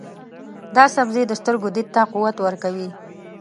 دا سبزی د سترګو دید ته قوت ورکوي.